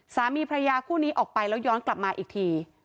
สามีพระยาคู่นี้ออกไปแล้วย้อนกลับมาอีกที